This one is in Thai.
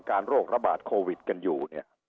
การโรคระบาดโควิดกันอยู่